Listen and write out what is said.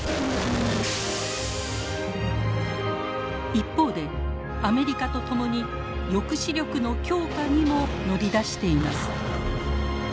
一方でアメリカと共に抑止力の強化にも乗り出しています。